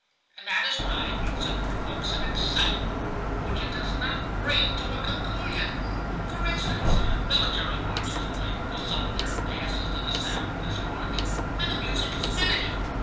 And that is why music provokes an excitement which it does not bring to a conclusion. For instance, a military march is played; the soldier passes to the sound of this march, and the music is finished.